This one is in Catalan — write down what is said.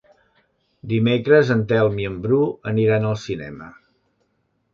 Dimecres en Telm i en Bru aniran al cinema.